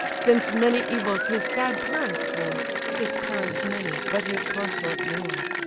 Thence many evils his sad parents bore, His parents many, but his consort more.